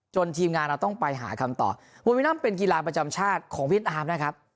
ทีมงานเราต้องไปหาคำตอบโววินัมเป็นกีฬาประจำชาติของเวียดนามนะครับ